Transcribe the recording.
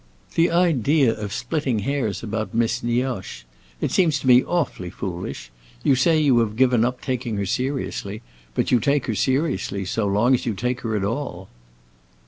The idea of splitting hairs about Miss Nioche! It seems to me awfully foolish. You say you have given up taking her seriously; but you take her seriously so long as you take her at all."